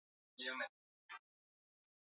Tuna nchi ambazo hazina katiba